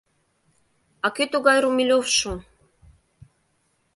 А кӧ тугай Румелёвшо?